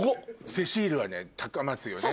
セシールはね高松よね